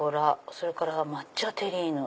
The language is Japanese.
それから「抹茶テリーヌ」。